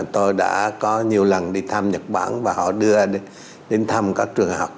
tôi đã có nhiều lần đi thăm nhật bản và họ đưa đến thăm các trường học